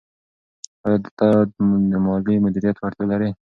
آیا ته د مالي مدیریت وړتیا لرې؟